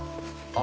あ